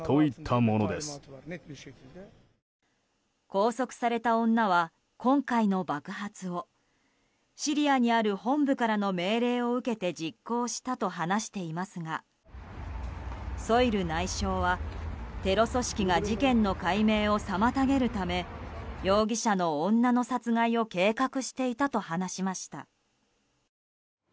拘束された女は今回の爆発をシリアにある本部からの命令を受けて実行したと話していますがソイル内相はテロ組織が事件の解明を妨げるため容疑者の女の殺害を計画していたと話しました。